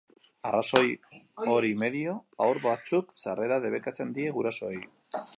Arrazoi hori medio, haur batzuk sarrera debekatzen die gurasoei.